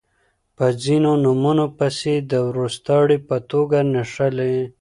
په ځینو نومونو پسې د وروستاړي په توګه نښلی